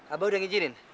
abah udah ngijinin